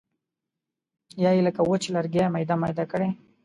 یا یې لکه وچ لرګی میده میده کړي.